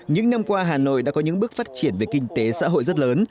những năm qua hà nội đã có những bước phát triển về kinh tế xã hội rất lớn